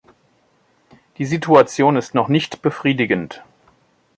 Die Situation ist noch nicht befriedigend.